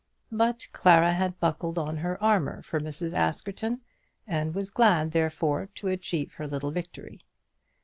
But Clara had buckled on her armour for Mrs. Askerton, and was glad, therefore, to achieve her little victory.